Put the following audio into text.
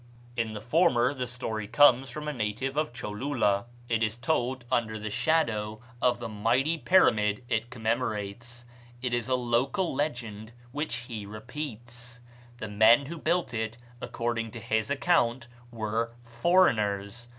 In the former the story comes from a native of Cholula: it is told under the shadow of the mighty pyramid it commemorates; it is a local legend which he repeats. The men who built it, according to his account, were foreigners.